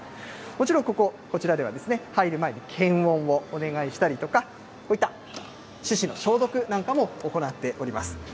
もちろんここ、こちらでは入る前に検温をお願いしたりとか、こういった手指の消毒なんかも行っております。